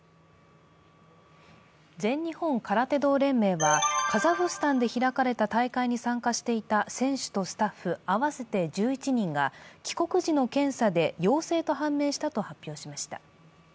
全日本空手道連盟はカザフスタンで開かれた大会に参加していた選手とスタッフ合わせて１１人が帰国時の検査で陽性と判明したと発表しました。